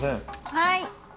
はい。